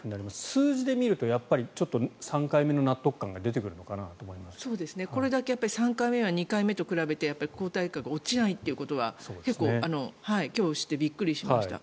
数字で見ると３回目の納得感がこれだけ３回目や２回目と比べて抗体価が落ちないということは結構、今日知ってびっくりしました。